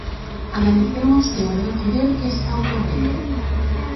Analicemos e haberá que ver que está ocorrendo.